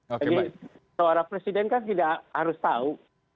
jadi seorang presiden kan tidak harus tahu